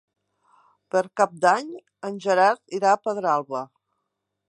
Per Cap d'Any en Gerard irà a Pedralba.